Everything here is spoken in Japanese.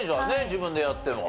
自分でやって。